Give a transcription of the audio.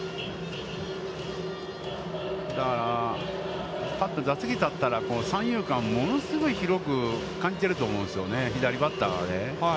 だから、打席に立ったら三遊間物すごく広く感じていると思うんです、左バッターはね。